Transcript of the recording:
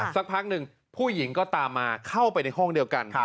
สักพักหนึ่งผู้หญิงก็ตามมาเข้าไปในห้องเดียวกัน